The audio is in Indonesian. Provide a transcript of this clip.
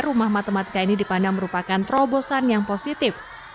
rumah matematika ini dipandang merupakan terobosan yang positif